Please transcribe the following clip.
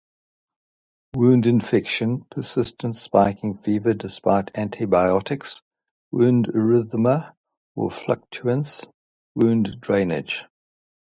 Wound infection: persistent spiking fever despite antibiotics, wound erythema or fluctuance, wound drainage.